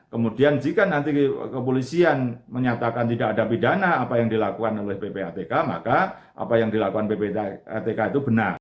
kemudian jika nanti kepolisian menyatakan tidak ada pidana apa yang dilakukan oleh ppatk maka apa yang dilakukan ppatk itu benar